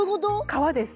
皮です。